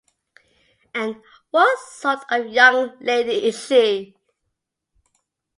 And what sort of young lady is she?